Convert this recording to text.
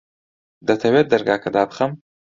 دەتەوێت دەرگاکە دابخەم؟